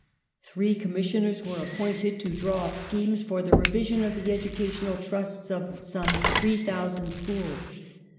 Three Commissioners were appointed to draw up schemes for the revision of the educational trusts of some 3,000 schools.